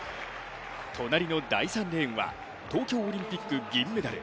隣の第３レーンは東京オリンピック銀メダル